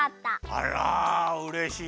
あらうれしい。